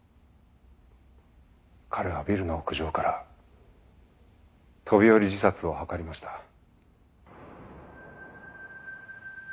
彼はビルの屋上から飛び降り自殺を図りました。